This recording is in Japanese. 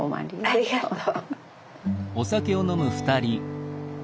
ありがとう。